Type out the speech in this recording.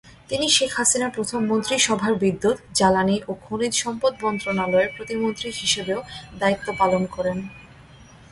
তিনি শেখ হাসিনার প্রথম মন্ত্রিসভার বিদ্যুৎ, জ্বালানি ও খনিজ সম্পদ মন্ত্রণালয়ের প্রতিমন্ত্রী হিসেবেও দায়িত্ব পালন করেন।